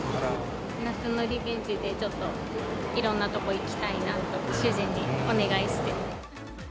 夏のリベンジで、ちょっといろんなとこ行きたいなと主人にお願いして。